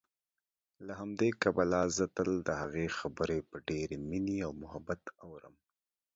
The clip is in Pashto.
له همدې کبله زه تل دهغې خبرې په ډېرې مينې او محبت اورم